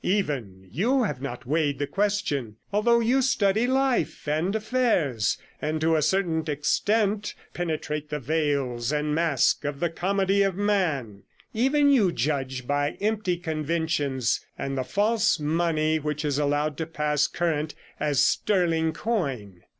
Even you have not weighed the question; although you study life and affairs, and to a certain extent penetrate the veils and masks of the comedy of man, even you judge by empty conventions, and the false money which is allowed to pass current as sterling coin.